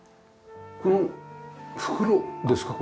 この袋ですか？